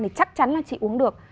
thì chắc chắn là chị uống được